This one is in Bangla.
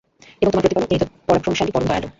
এবং তোমার প্রতিপালক, তিনি তো পরাক্রমশালী, পরম দয়ালু।